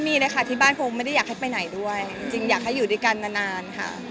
มีเลยค่ะที่บ้านคงไม่ได้อยากให้ไปไหนด้วยจริงอยากให้อยู่ด้วยกันนานค่ะ